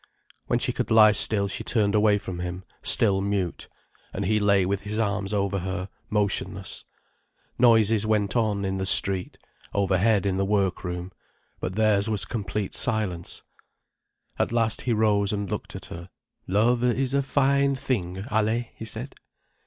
When she could lie still she turned away from him, still mute. And he lay with his arms over her, motionless. Noises went on, in the street, overhead in the work room. But theirs was complete silence. At last he rose and looked at her. "Love is a fine thing, Allaye," he said.